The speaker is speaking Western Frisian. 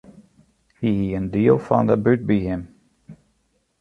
Hy hie in diel fan de bút by him.